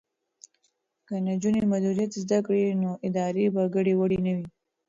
که نجونې مدیریت زده کړي نو ادارې به ګډې وډې نه وي.